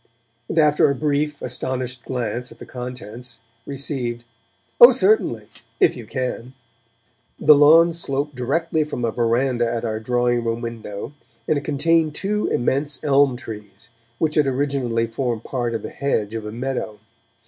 and after a brief, astonished glance at the contents, received 'Oh certainly if you can!' The lawn sloped directly from a verandah at our drawing room window, and it contained two immense elm trees, which had originally formed part of the hedge of a meadow.